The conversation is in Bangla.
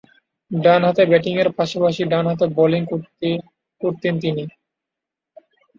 ডানহাতে ব্যাটিংয়ের পাশাপাশি ডানহাতে বোলিং করতেন তিনি।